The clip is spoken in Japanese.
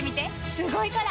すごいから！